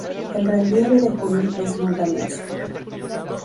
El relieve de Junín es montañoso.